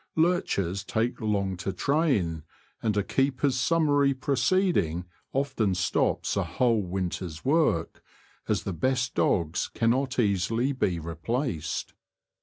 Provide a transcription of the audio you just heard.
Lurchers take long to train, and a keeper's summary proceeding often stops a whole winter's work, as the best dogs cannot easily be replaced.